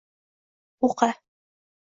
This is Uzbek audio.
– O‘qi.